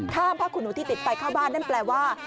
ผ้าขุนหนูที่ติดไปเข้าบ้านนั่นแปลว่า